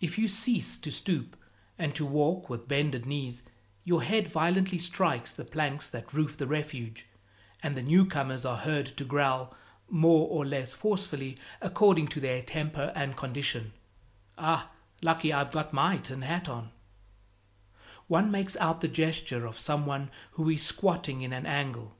If you cease to stoop and to walk with bended knees, your head violently strikes the planks that roof the Refuge, and the newcomers are heard to growl more or less forcefully, according to their temper and condition "Ah, lucky I've got my tin hat on:" One makes out the gesture of some one who is squatting in an angle.